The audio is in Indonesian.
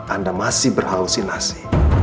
anda masih berhalusinasi